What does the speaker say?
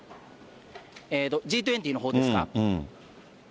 Ｇ２０のほうですか？